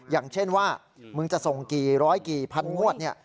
อย่างเช่นว่ามึงจะส่งกี่ร้อยกี่พันงวดเนี่ย